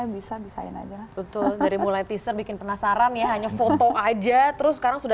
bisa bisain aja betul dari mulai teaser bikin penasaran ya hanya foto aja terus sekarang sudah